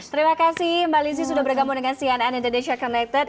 terima kasih mbak lizzie sudah bergabung dengan cnn indonesia connected